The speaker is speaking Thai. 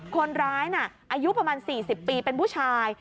คนร้ายน่ะอายุประมาณ๔๐ปีเป็นผู้ชาย